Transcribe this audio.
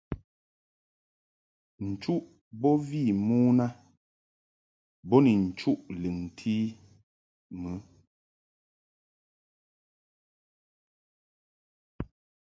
Nchuʼ bo vi mon a bo ni nchuʼ lɨŋti mɨ.